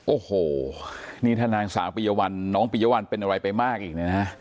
โอโหนี่ท่านท่านสาวปียวัลน้องปียวัลเป็นอะไรไปมากอีกนะฮะ